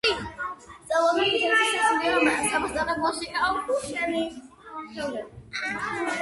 სწავლობდა ქუთაისის სასულიერო სასწავლებელში, შემდეგ თბილისის სასულიერო სემინარიაში, რომელიც არ დაუსრულებია.